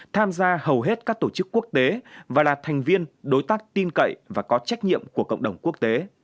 tham gia hầu hết các tổ chức quốc tế và là thành viên đối tác tin cậy và có trách nhiệm của cộng đồng quốc tế